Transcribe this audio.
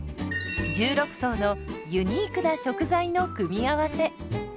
１６層のユニークな食材の組み合わせ。